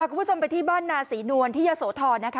คุณผู้ชมไปที่บ้านนาศรีนวลที่ยะโสธรนะคะ